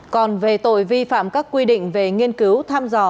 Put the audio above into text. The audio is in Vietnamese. còn về tội vi phạm các quy định về nghiên cứu thăm dò